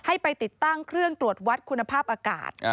ให้ไปติดตั้งเครื่องตรวจวัดคุณภาพอากาศ